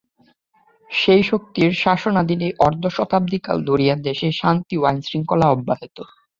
সেই শক্তির শাসনাধীনেই অর্ধ-শতাব্দীকাল ধরিয়া দেশে শান্তি ও আইন-শৃঙ্খলা অব্যাহত।